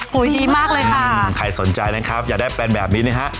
ดีมากเลยค่ะใครสนใจนะครับอยากได้เป็นแบบนี้นะฮะ